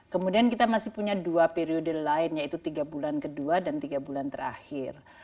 kemudian kita masih punya dua periode lain yaitu tiga bulan kedua dan tiga bulan terakhir